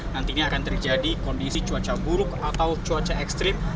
nantinya akan terjadi kondisi cuaca buruk atau cuaca ekstrim